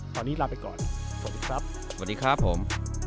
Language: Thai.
ตอนนี้ลาไปก่อนสวัสดีครับ